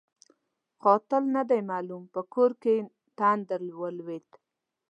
قاتل نه دی معلوم؛ په کور یې تندر ولوېد.